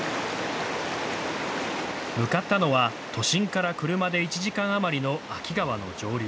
向かったのは都心から車で１時間余りの秋川の上流。